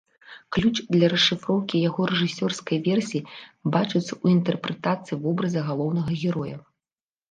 Ключ для расшыфроўкі яго рэжысёрскай версіі бачыцца ў інтэрпрэтацыі вобраза галоўнага героя.